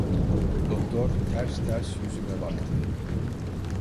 Doktor, ters ters yüzüme baktı.